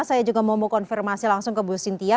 saya juga mau konfirmasi langsung ke bu cynthia